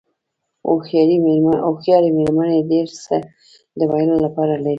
هوښیارې مېرمنې ډېر څه د ویلو لپاره لري.